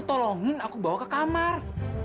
tolongin aku bawa ke kamar